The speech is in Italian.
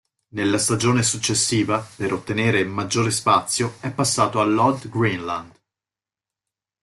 Nella stagione successiva, per ottenere maggiore spazio, è passato all'Odd Grenland.